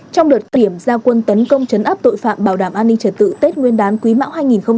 trong đợt tiểm giao quân tấn công chấn áp tội phạm bảo đảm an ninh trật tự tết nguyên đán quý mão hai nghìn hai mươi ba